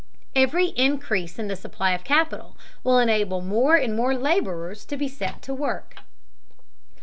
Every increase in the supply of capital will enable more and more laborers to be set to work.